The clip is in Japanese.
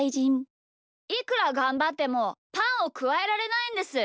いくらがんばってもパンをくわえられないんです！